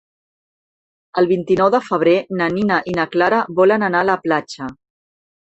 El vint-i-nou de febrer na Nina i na Clara volen anar a la platja.